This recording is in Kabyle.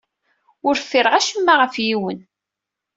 Ur ffireɣ acemma ɣef yiwen.